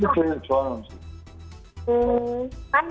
ceil cohanan emsiki